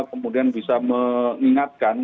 kemudian bisa mengingatkan